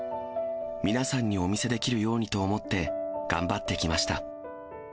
皆さんにお見せできるようにと思って、頑張ってきました。